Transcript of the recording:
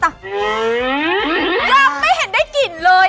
หลับไม่เห็นได้กลิ่นเลย